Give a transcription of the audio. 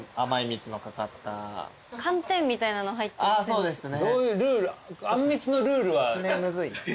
あそうですね。